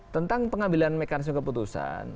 tentang pengambilan mekanisme keputusan